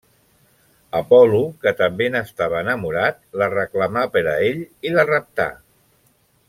Apol·lo, que també n'estava enamorat, la reclamà per a ell i la raptà.